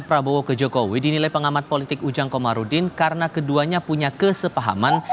prabowo ke jokowi dinilai pengamat politik ujang komarudin karena keduanya punya kesepahaman